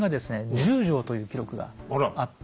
１０丈という記録があって。